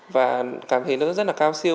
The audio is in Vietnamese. và cảm thấy nó rất là cao siêu